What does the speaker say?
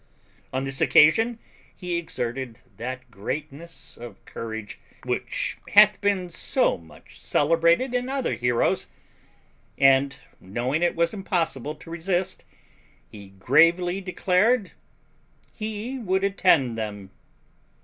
On this occasion he exerted that greatness of courage which hath been so much celebrated in other heroes; and, knowing it was impossible to resist, he gravely declared he would attend them.